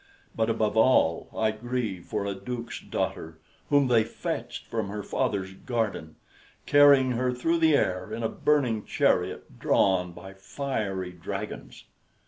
But above all, I grieve for a duke's daughter, whom they fetched from her father's garden, carrying her through the air in a burning chariot drawn by fiery dragons.